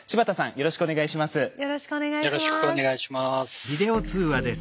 よろしくお願いします。